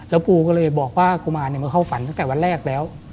แล้วปูก็เลยบอกว่ากุมารมาเข้าฝันตั้งแต่วันแรกแล้ว